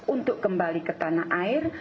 untuk kembali ke tanah air